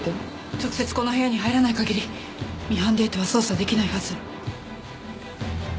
直接この部屋に入らないかぎりミハンデータは操作できないはず。